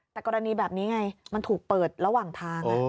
แต่กรณีแบบนี้ไงมันถูกเปิดระหว่างทาง